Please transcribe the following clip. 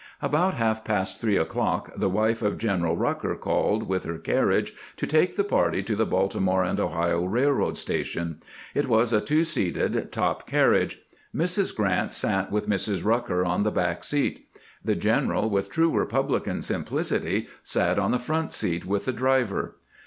About half past three o'clock the wife of General Eucker called with her carriage to take the party to the Baltimore and Ohio railroad station. It was a two seated top carriage. Mrs. Grant sat with Mrs. Rucker on the back seat. The general, with true republican simplicity, sat on the front seat with the driver.